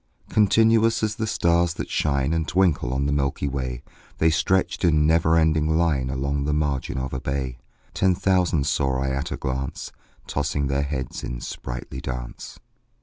Continuous as the stars that shine And twinkle on the milky way, The stretched in never ending line Along the margin of a bay: Ten thousand saw I at a glance, Tossing their heads in sprightly dance.